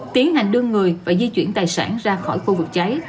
tiến hành đưa người và di chuyển tài sản ra khỏi khu vực cháy